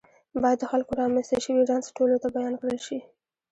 باید د خلکو رامنځته شوی رنځ ټولو ته بیان کړل شي.